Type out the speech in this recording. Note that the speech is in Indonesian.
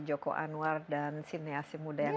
joko anwar dan sine asimuda yang